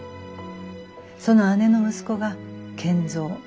その姉の息子が賢三。